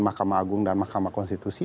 makamah agung dan makamah konstitusi